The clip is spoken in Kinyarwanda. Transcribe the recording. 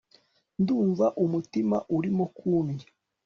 ndumva umutima urimo kundya